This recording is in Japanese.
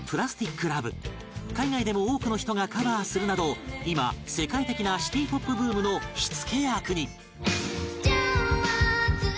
海外でも多くの人がカバーするなど今世界的なシティポップブームの火付け役に